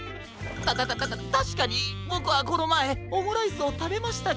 たたたたたたしかにボクはこのまえオムライスをたべましたけど。